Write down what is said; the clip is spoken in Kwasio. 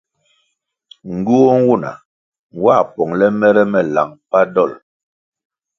Ngywuoh nwuna nwā pongʼle mere me lang mbpa dolʼ.